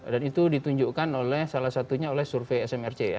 itu ditunjukkan oleh salah satunya oleh survei smrc ya